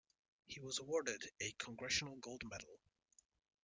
He was awarded a Congressional Gold Medal.